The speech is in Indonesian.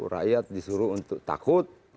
rakyat disuruh untuk takut